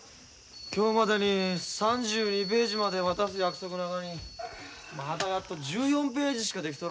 今日までに３２ページまで渡す約束ながにまだやっと１４ページしかできとらんわ。